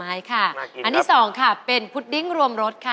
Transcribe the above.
อันที่สองค่ะเป็นพุดดิ้งรวมรถค่ะ